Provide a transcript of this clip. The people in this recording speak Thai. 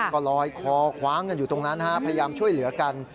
ก็ลอยคอคว้างกันอยู่ตรงนั้นพยายามช่วยเหลือกัน